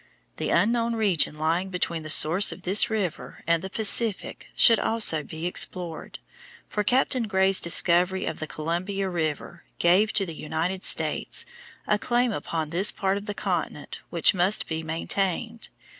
The unknown region lying between the source of this river and the Pacific should also be explored, for Captain Gray's discovery of the Columbia River gave to the United States a claim upon this part of the continent which must be maintained.